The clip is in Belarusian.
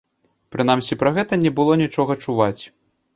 Прынамсі, пра гэта не было нічога чуваць.